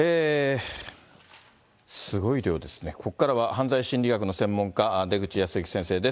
すごい量ですね、ここからは、犯罪心理学の専門家、出口保行先生です。